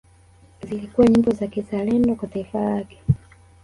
Zilikuwa nyimbo za kizalendo kwa taifa lake